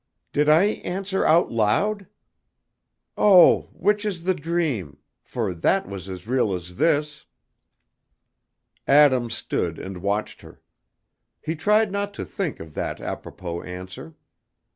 Did I answer out loud? Oh, which is the dream, for that was as real as this!" Adam stood and watched her. He tried not to think of that apropos answer.